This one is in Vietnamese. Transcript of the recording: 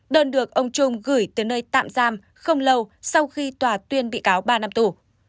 đơn được ông trung gửi tới nơi tạm giam không lâu sau khi tòa tuyên bị cáo ba năm tù